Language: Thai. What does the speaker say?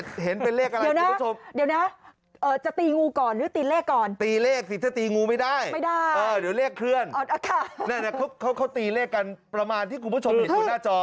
คุณผู้ชมเห็นสูตรหน้าจอ